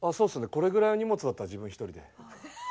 これぐらいの荷物だったら自分一人で。